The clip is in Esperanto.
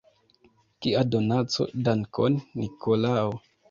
Kia donaco: dankon, Nikolao!